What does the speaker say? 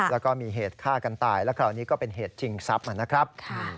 แล้วก็มีเหตุฆ่ากันตายแล้วคราวนี้ก็เป็นเหตุจริงทรัพย์นะครับ